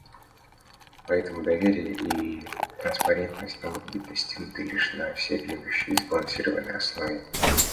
Поэтому доверие и транспарентность могут быть достигнуты лишь на всеобъемлющей и сбалансированной основе.